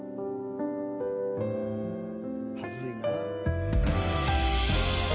恥ずいな。